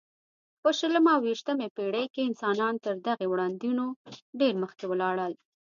په شلمه او یویشتمه پېړۍ کې انسانان تر دغې وړاندوینو ډېر مخکې ولاړل.